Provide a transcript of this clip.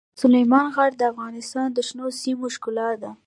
سلیمان غر د افغانستان د شنو سیمو ښکلا ده.